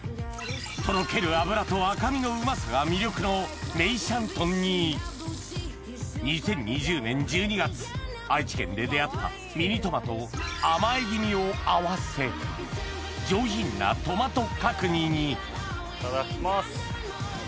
とろける脂と赤身のうまさが魅力の２０２０年１２月愛知県で出合ったミニトマトを合わせ上品なトマト角煮にいただきます。